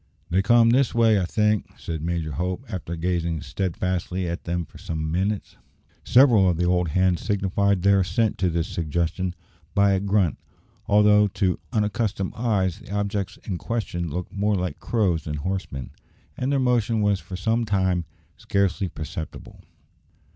"They come this way, I think," said Major Hope, after gazing steadfastly at them for some minutes. Several of the old hands signified their assent to this suggestion by a grunt, although to unaccustomed eyes the objects in question looked more like crows than horsemen, and their motion was for some time scarcely perceptible.